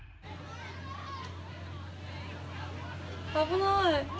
危ない。